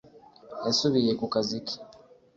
yasubiye ku kazi ke.